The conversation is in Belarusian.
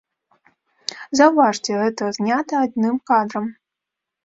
Заўважце, гэта знята адным кадрам.